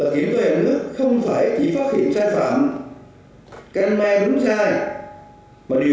kiểm toán nhà nước không chỉ phát hiện sai phạm căn mai đúng sai